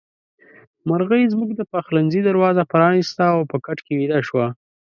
مرغۍ زموږ د پخلنځي دروازه پرانيسته او په کټ کې ويده شوه.